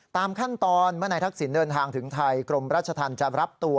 ตามขั้นตอนเมื่อนายทักษิณเดินทางถึงไทยกรมราชธรรมจะรับตัว